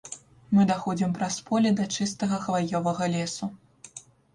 Мы даходзім праз поле да чыстага хваёвага лесу.